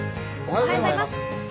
おはようございます。